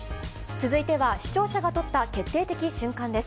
続いては、視聴者が撮った決定的瞬間です。